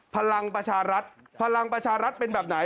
พลังประชารัฐพลังประชารัฐเป็นแบบไหน